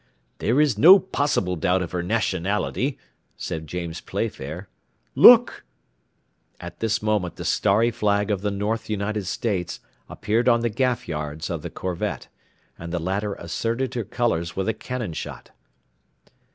"There is no possible doubt of her nationality," said James Playfair. "Look!" At this moment the starry flag of the North United States appeared on the gaff yards of the corvette, and the latter asserted her colours with a cannon shot.